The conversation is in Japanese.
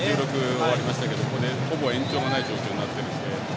終わりましたけどここで、ほぼ延長がない状況になっているので。